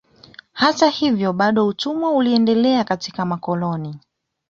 Hata hivyo bado utumwa uliendelea katika makoloni